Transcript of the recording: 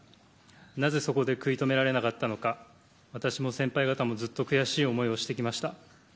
なぜそこで食い止められなかったのか私も先輩方もずっと悔しい思いをしてきました。